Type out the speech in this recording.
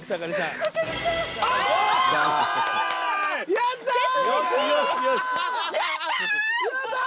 やったー！